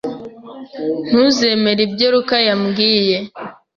Ntuzemera ibyo Luka yambwiye.